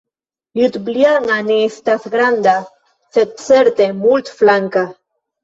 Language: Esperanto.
Ljubljana ne estas granda, sed certe multflanka.